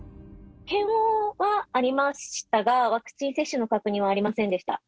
検温はありましたが、ワクチン接種の確認はありませんでした。